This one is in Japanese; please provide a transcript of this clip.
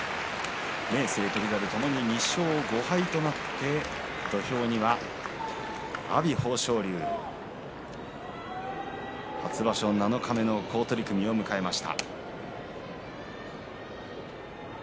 明生とともに２勝５敗となって翔猿ともに２勝５敗となって土俵上、阿炎と豊昇龍初場所七日目の好取組を迎えました。